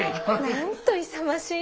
なんと勇ましい。